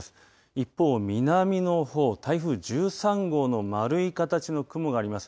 一方、南の方、台風１３号の丸い形の雲があります。